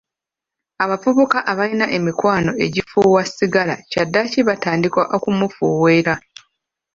Abavubuka abalina emikwano egifuuwa sigala kyadaaki batandika okumufuweeta.